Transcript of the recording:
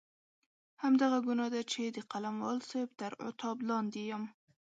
همدغه ګناه ده چې د قلموال صاحب تر عتاب لاندې یم.